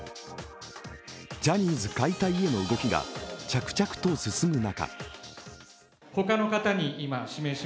ジャニーズ解体への動きが着々と進む中